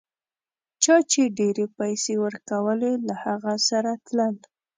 چا چي ډېرې پیسې ورکولې له هغه سره تلل.